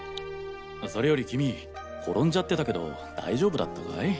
それより君転んじゃってたけど大丈夫だったかい？